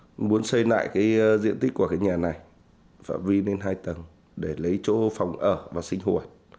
tôi muốn xây lại cái diện tích của cái nhà này phạm vi lên hai tầng để lấy chỗ phòng ở và sinh hoạt